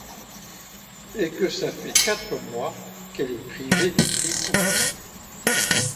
Et que ça fait quatre mois qu’elle est privée de tripoux.